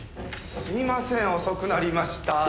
すいません遅くなりました。